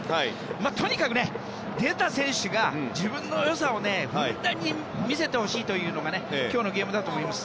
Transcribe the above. とにかく出た選手が自分の良さをふんだんに見せてほしいというのが今日のゲームだと思います。